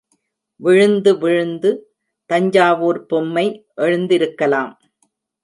விழுந்து விழுந்து, தஞ்சாவூர் பொம்மை எழுந்திருக்கலாம்.